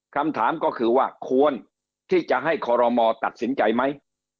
คำถามก็คือว่าควรที่จะให้คอรมอตัดสินใจไหม